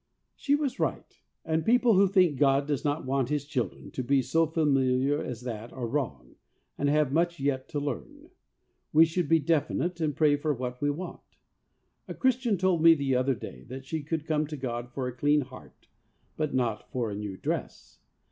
She was right, and people who think God does not want His children to be so familiar as that are wrong, and have much yet to learn. We should be definite, and pray for what we want. A Christian told me the other day that she could come to God for a clean heart, but not for a new dress.